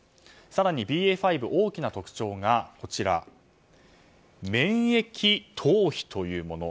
更にＢＡ．５の大きな特徴が免疫逃避というもの。